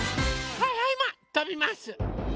はいはいマンとびます！